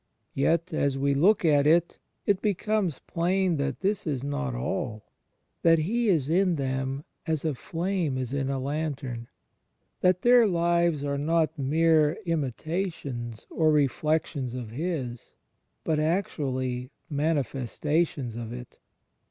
Yet as we look at it, it becomes plain that this is not all; that He is in them as a flame is in a lantern; that their lives are not mere imitations or reflections of His, but actually manifestations of it.